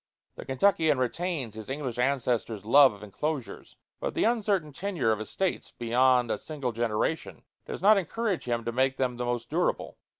The Kentuckian retains his English ancestors' love of enclosures; but the uncertain tenure of estates beyond a single generation does not encourage him to make them the most durable.